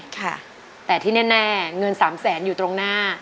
ค่ะแต่ที่แน่เงิน๓แสนอยู่ตรงหน้า